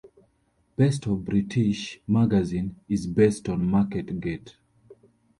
"Best of British" magazine is based on Market Gate.